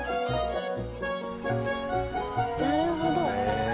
なるほど。